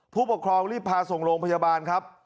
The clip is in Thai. ผู้ปกครองรีบพาส่งโรงพยาบาลครับ